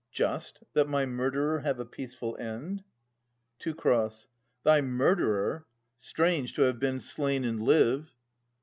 Just, that my murderer have a peaceful end? Teu. Thy murderer ? Strange, to have been slain and live